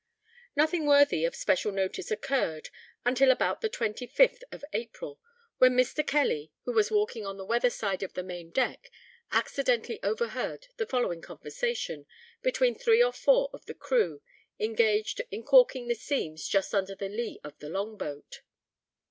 Nothing worthy of special notice occurred until about the 25th of April, when Mr. Kelly, who was walking on the weather side of the main deck, accidentally overheard the following conversation, between three or four of the crew, engaged in caulking the seams just under the lee of the long boat.